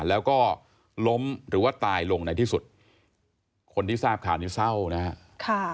แล้วก็ล้มหรือว่าตายลงในที่สุดคนที่ทราบข่าวนี้เศร้านะฮะ